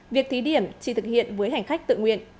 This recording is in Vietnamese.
việc thí điểm chỉ thực hiện với hành khách tự nguyện